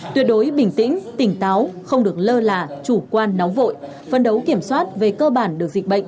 tuyệt đối bình tĩnh tỉnh táo không được lơ là chủ quan nóng vội phân đấu kiểm soát về cơ bản được dịch bệnh